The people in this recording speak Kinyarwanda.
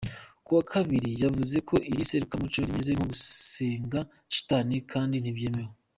Ku wa kabiri, yavuze ko iri serukiramuco "rimeze nko gusenga shitani kandi ntibyemewe.